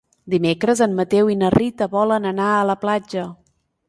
Dimecres en Mateu i na Rita volen anar a la platja.